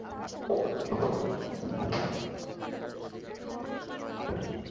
তিনি গাস পূর্ণ incandescent lamp ও হাইড্রোজেন ওয়েল্ডিং উদ্ভাবন করেন।